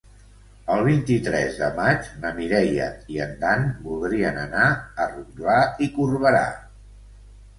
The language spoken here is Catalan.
El vint-i-tres de maig na Mireia i en Dan voldrien anar a Rotglà i Corberà.